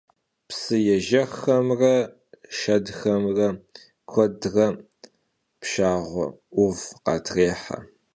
Psıêjjexxemre şşedxemre kuedre pşşağue 'Uv khatrêhe.